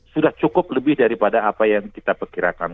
sudah cukup lebih daripada apa yang kita perkirakan